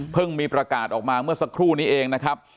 มีประกาศออกมาเมื่อสักครู่นี้เองนะครับ